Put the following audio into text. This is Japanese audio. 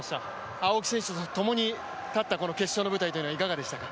青木選手とともにたった、この決勝の舞台というのはいかがでしたか？